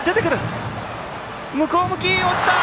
向こう向き、落ちた！